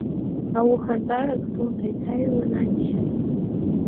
Аухантәарак слымҳа иҭаҩуан аччара!